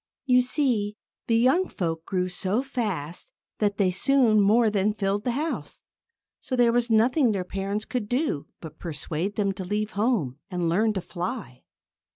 You see, the young folk grew so fast that they soon more than filled the house. So there was nothing their parents could do but persuade them to leave home and learn to fly.